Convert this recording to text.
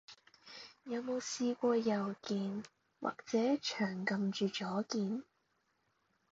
有冇試過右鍵，或者長撳住左鍵？